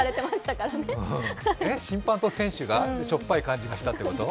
審判と選手がしょっぱい感じがしたってこと？